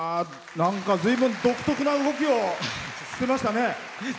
なんか、ずいぶん独特な動きをしてましたね。